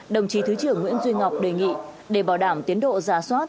đồng chí thứ trưởng nguyễn duy ngọc đề nghị để bảo đảm tiến độ giả soát